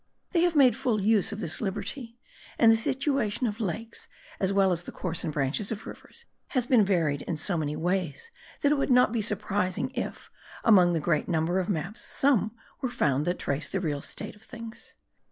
They have made full use of this liberty; and the situation of lakes, as well as the course and branches of rivers, has been varied in so many ways that it would not be surprising if among the great number of maps some were found that trace the real state of things.